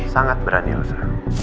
sangat berani elsa